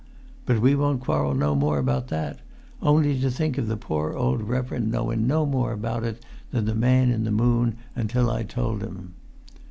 But we won't quarrel no more about that: only to think of the poor old reverend knowun no more about it than the man in the moon until I told him!